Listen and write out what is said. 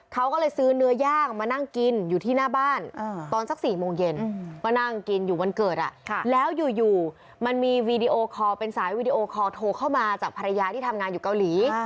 เป็นสายวีดีโอคอลโทรเข้ามาจากภรรยาที่ทำงานอยู่เกาหลี